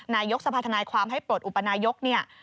นายกสภาธนายความให้ปลดอุปนายกเนี่ย